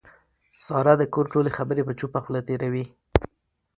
ساره د کور ټولې خبرې په چوپه خوله تېروي.